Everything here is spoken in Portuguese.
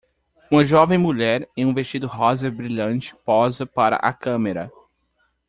Uma jovem mulher em um vestido rosa brilhante posa para a câmera.